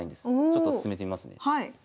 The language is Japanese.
ちょっと進めてみますね。